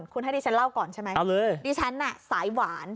คุณให้ดิฉันเล่าก่อนใช่ไหมดิฉันน่ะสายหวาน